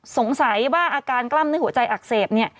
สงสัยว่าอาการกล้ามในหัวใจอักเสบ